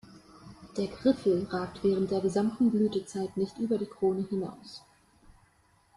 Der Griffel ragt während der gesamten Blütezeit nicht über die Krone hinaus.